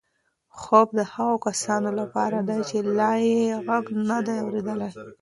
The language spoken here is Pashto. خوب د هغو کسانو لپاره دی چې لا یې غږ نه دی اورېدلی.